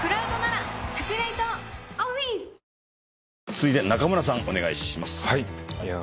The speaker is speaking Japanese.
続いて中村さんお願いします。